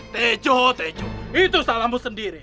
teco teco itu salahmu sendiri